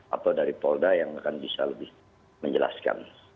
atau dari polda yang akan bisa lebih menjelaskan